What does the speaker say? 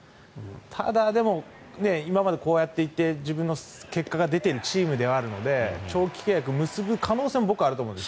ただ、でも、今までこうやって行って自分の結果が出ているチームなので長期契約を結ぶ可能性は僕もあると思うんです。